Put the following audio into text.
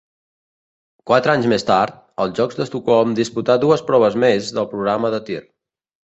Quatre anys més tard, als Jocs d'Estocolm disputà dues proves més del programa de tir.